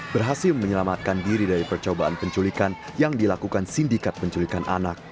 berhasil menyelamatkan diri dari percobaan penculikan yang dilakukan sindikat penculikan anak